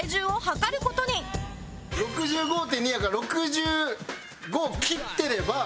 ６５．２やから６５を切ってれば。